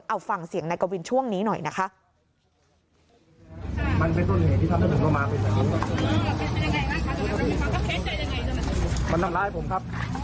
เอาฟังเสียงนายกวินช่วงนี้หน่อยนะคะ